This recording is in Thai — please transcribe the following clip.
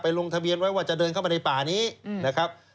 ลงทะเบียนไว้ว่าจะเดินเข้ามาในป่านี้นะครับ